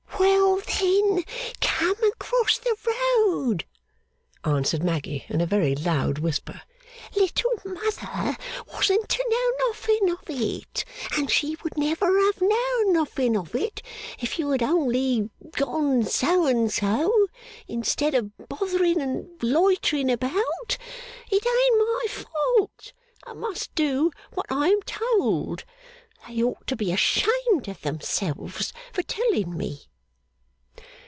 'Well, then, come across the road,' answered Maggy in a very loud whisper. 'Little Mother wasn't to know nothing of it, and she would never have known nothing of it if you had only gone So and So, instead of bothering and loitering about. It ain't my fault. I must do what I am told. They ought to be ashamed of themselves for telling me.